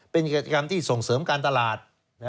เป็นกิจกรรมที่ส่งเสริมการตลาด